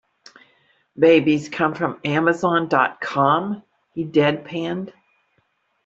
"Babies come from amazon.com," he deadpanned.